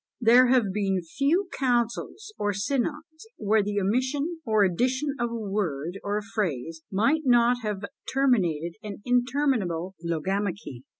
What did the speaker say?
There have been few councils or synods where the omission or addition of a word or a phrase might not have terminated an interminable logomachy!